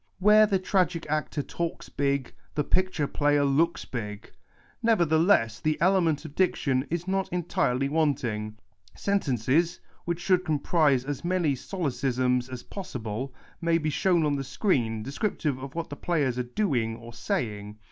Where the tragic actor talks big, the pic ture player looks big. Nevertheless, the element of diction is not entirely wanting. Sentences (wiiieh should comprise as many solecisms as possible) may be shown on the screen, descriptive of what the players are doing or saying.